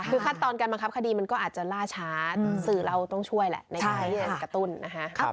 คือคัดตอนกันมาครับคดีมันอาจจะล่าช้าศึ่งเราต้องช่วยแหละในการ์ตูนนะฮะ